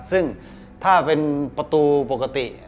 ซึ่งถ้าเป็นประตูปกติ